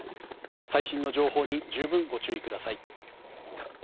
最新の情報に十分、ご注意ください。